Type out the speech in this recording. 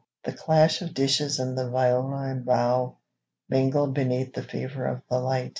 The clash of dishes and the viol and bow Mingled beneath the fever of the light.